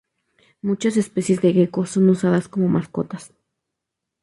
Muchas especies de geco son usadas como mascotas.